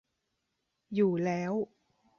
อยู่แล้ว